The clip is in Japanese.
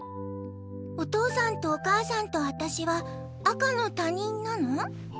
お父さんとお母さんと私は赤の他人なの？